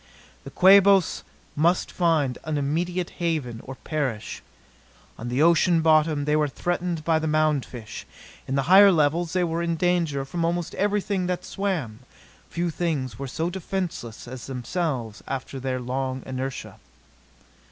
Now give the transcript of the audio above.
The Quabos must find an immediate haven or perish. On the ocean bottom they were threatened by the mound fish. In the higher levels they were in danger from almost everything that swam: few things were so defenceless as themselves after their long inertia.